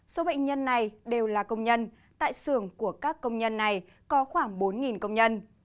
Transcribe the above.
số bệnh nhân này đều là công nhân tại xưởng của các công nhân này có khoảng bốn công nhân